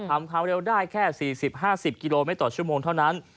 ความเร็วได้แค่๔๐๕๐กิโลเมตรต่อชั่วโมงเท่านั้น